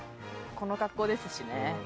この格好ですしね。